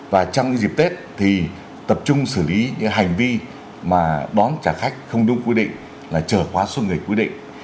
và trong những dịp tết thì tập trung xử lý những hành vi mà bón trả khách không đúng quy định là trở quá xuân nghịch quy định